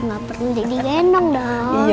gak perlu digendong dong